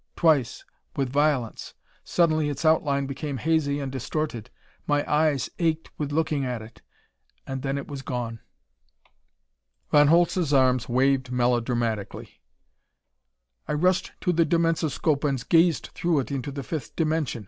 Twice! With violence! Suddenly its outline became hazy and distorted. My eyes ached with looking at it. And then it was gone!" Von Holtz's arms waved melodramatically. "I rushed to the dimensoscope and gazed through it into the fifth dimension.